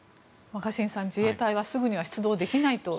若新さん、自衛隊はすぐには出動できないと。